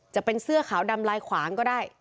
จะเป็นเสื้อขาวดำลายขวางก็ได้